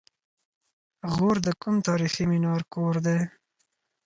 غور د کوم تاریخي منار کور دی؟